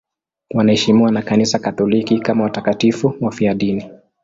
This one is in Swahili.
Wanaheshimiwa na Kanisa Katoliki kama watakatifu wafiadini.